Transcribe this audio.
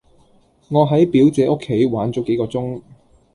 我喺表姐屋企玩咗幾個鐘